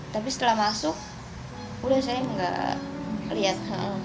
tapi setelah masuk udah saya nggak lihat